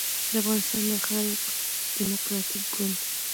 د افغانستان د خلق دیموکراتیک ګوند